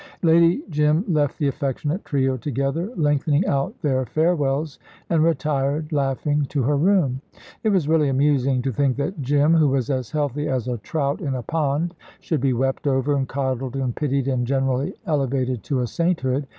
Lady Jim left the affectionate trio together, lengthening out their farewells, and retired, laughing, to her room. It was really amusing to think that Jim, who was as healthy as a trout in a pond, should be wept over, and coddled, and pitied, and generally elevated to a sainthood.